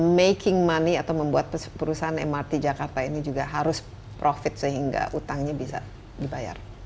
making money atau membuat perusahaan mrt jakarta ini juga harus profit sehingga utangnya bisa dibayar